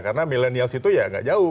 karena millennials itu ya gak jauh